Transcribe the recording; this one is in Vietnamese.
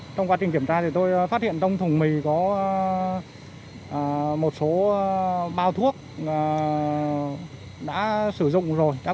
trong quá trình kiểm tra tôi phát hiện trong thùng mì có một số bao thuốc đã qua sử dụng và không còn thuốc